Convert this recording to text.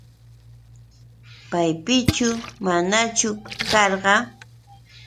¿Paypichu manachu karqa?